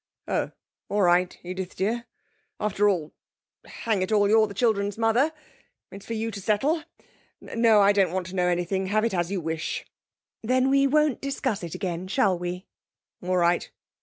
'Oh, all right, Edith dear; after all hang it all you're the children's mother it's for you to settle.... No, I don't want to know anything. Have it as you wish.' 'Then we won't discuss it again. Shall we?' 'All right.'